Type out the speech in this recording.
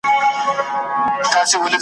د کتابونو قحط کې او د خپل ژوند مجبوريتونو سره